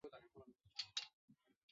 以上近似公式的误差称为时间差。